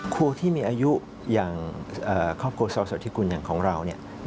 ครูที่มีอายุอย่างครอบครัวสาวโสธิกุลอย่างของเรา